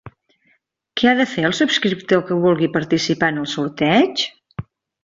Què ha de fer el subscriptor que vulgui participar en el sorteig?